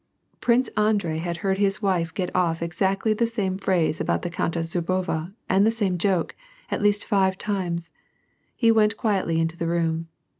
Prince Andrei had heard his wife get off exactly the same phrase about the Countess Zubova, and the same joke,* at least five times. He went quietly into the room.